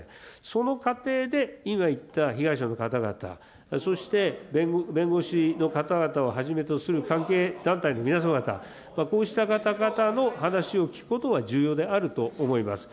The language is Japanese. その過程で今言った被害者の方々、そして弁護士の方々をはじめとする関係団体の皆様方、こうした方々の話を聞くことが重要であると思います。